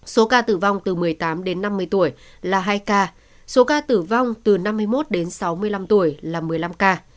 số ca tử vong từ một mươi tám đến năm mươi tuổi là hai ca số ca tử vong từ năm mươi một đến sáu mươi năm tuổi là một mươi năm ca